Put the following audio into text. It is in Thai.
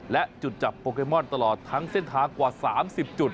และจุดจับโปเกมอนตลอดทั้งเส้นทางกว่า๓๐จุด